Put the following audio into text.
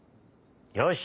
よし！